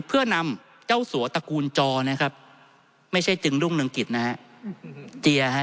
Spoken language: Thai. เพื่อนำเจ้าสัวตระกูลจอนะครับไม่ใช่จึงรุ่งเรืองกิจนะฮะ